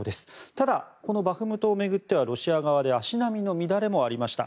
ただ、このバフムトを巡ってはロシア側で足並みの乱れもありました。